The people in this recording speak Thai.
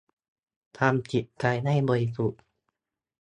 ทำจิตใจให้บริสุทธิ์